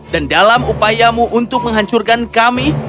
dan dalam upayamu untuk menghancurkan kami